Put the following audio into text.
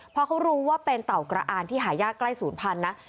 พอเขารู้ว่าเป็นเต่ากระอานที่หายากใกล้ศูนย์พันธุ์นะ